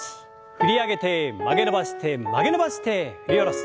振り上げて曲げ伸ばして曲げ伸ばして振り下ろす。